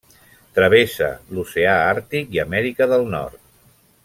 Travessa l'Oceà Àrtic i Amèrica del Nord.